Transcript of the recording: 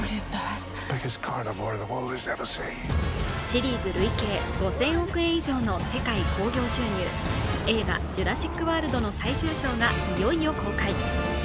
シリーズ累計５０００億円以上の世界興行収入映画「ジュラシック・ワールド」の最終章がいよいよ公開。